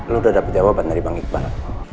lo udah dapet jawaban dari bang iqbal